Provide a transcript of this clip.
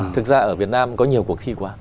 thực ra ở việt nam có nhiều cuộc thi quá